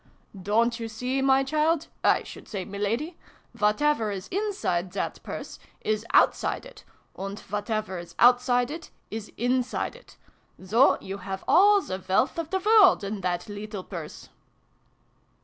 " Don't you see, my child I should say M iladi ? Whatever is inside that Purse, is outside it ; and whatever is O2tt side it, is inside it. So you have all the wealth of the world in that leetle Purse